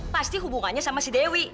pasti hubungannya sama si dewi